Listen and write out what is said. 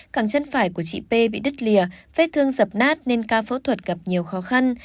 cẳng chân phải của chị p bị đứt lìa vết thương dập nát nên ca phẫu thuật gặp nhiều khó khăn